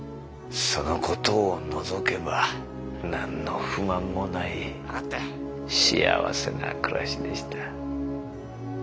その事を除けば何の不満もない幸せな暮らしでした。